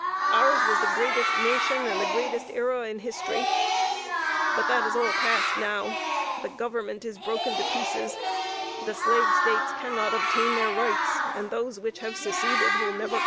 Ours was the greatest nation and the greatest era in history. But that is all past now. The Government is broken to pieces; the slave States can not obtain their rights; and those which have seceded will never come back."